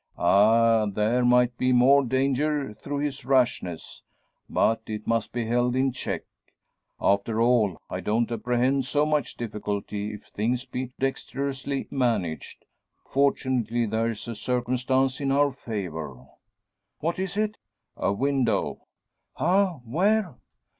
"Ah! there might be more danger through his rashness. But it must be held in check. After all, I don't apprehend so much difficulty if things be dexterously managed. Fortunately there's a circumstance in our favour." "What is it?" "A window." "Ah! Where?"